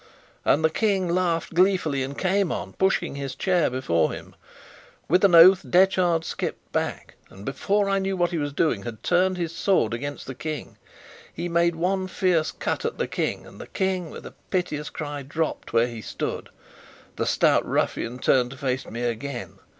And the King laughed gleefully, and came on, pushing his chair before him. With an oath Detchard skipped back, and, before I knew what he was doing, had turned his sword against the King. He made one fierce cut at the King, and the King, with a piteous cry, dropped where he stood. The stout ruffian turned to face me again.